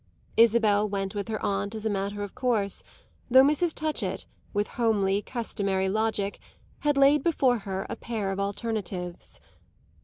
Isabel went with her aunt as a matter of course, though Mrs. Touchett, with homely, customary logic, had laid before her a pair of alternatives.